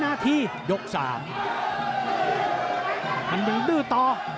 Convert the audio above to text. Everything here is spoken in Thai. มันมีมีดื้อต่อ